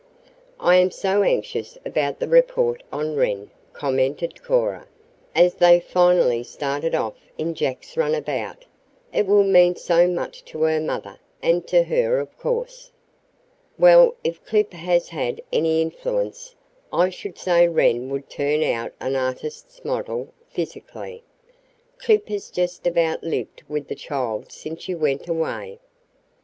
"I am so anxious about the report on Wren," commented Cora, as they finally started off in Jack's runabout. "It will mean so much to her mother, and to her, of course." "Well, if Clip has had any influence, I should say Wren would turn out an artist's model, physically. Clip has just about lived with the child since you went away.